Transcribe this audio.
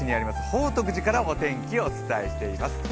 宝徳寺からお天気をお伝えしています。